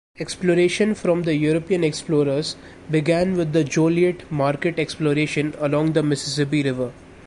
Exploration from the European explorers began with the Joliet-Marquette exploration along the Mississippi River.